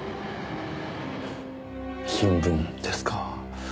新聞ですか。